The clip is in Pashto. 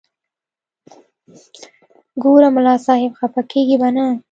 ګوره ملا صاحب خپه کېږې به نه.